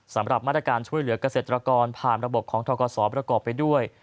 สำหรับมาตรการช่วยเหลือกเกษตรกรผ่านระบบของทกศประกอบไปด้วย